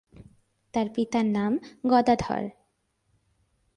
তার পিতার নাম গদাধর।